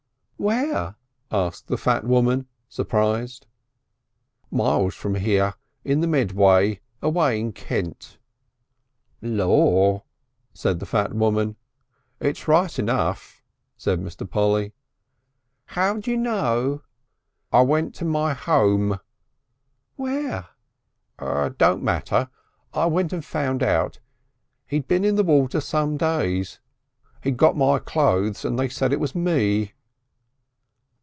"Where?" asked the fat woman, surprised. "Miles from here. In the Medway. Away in Kent." "Lor!" said the fat woman. "It's right enough," said Mr. Polly. "How d'you know?" "I went to my home." "Where?" "Don't matter. I went and found out. He'd been in the water some days. He'd got my clothes and they'd said it was me."